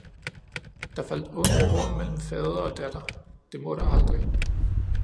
Der faldt onde ord mellem fader og datter, det må der aldrig